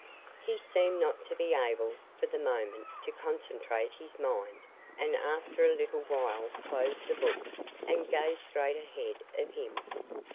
He seemed not to be able, for the moment, to concentrate his mind and after a little while closed the book and gazed straight ahead of him.